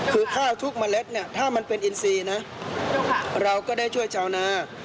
คือข้าวทุกเมล็ดเนี่ยถ้ามันเป็นอินซีนะเราก็ได้ช่วยชาวนา